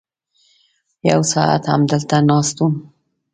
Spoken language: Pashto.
یو ساعت همدلته ناست وم.